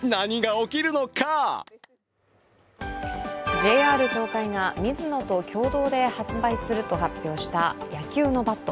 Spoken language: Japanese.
ＪＲ東海がミズノと共同で販売すると発表した野球のバット。